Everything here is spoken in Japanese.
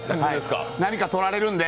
何か取られるんで。